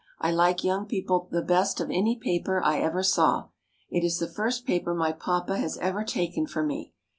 I like Young People the best of any paper I ever saw. It is the first paper my papa has ever taken for me.